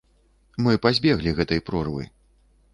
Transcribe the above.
Мы пазбеглі гэтай прорвы.